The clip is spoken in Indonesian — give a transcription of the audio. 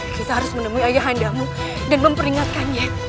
kita harus menemui ayah handamu dan memperingatkannya